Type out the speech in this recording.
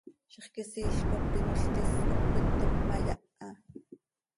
Zixquisiil cop inol tis cop cöitníp ma, yaha.